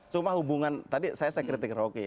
cuma hubungan tadi saya kritik rocky